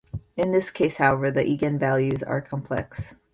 In this case, however, the eigenvalues are complex.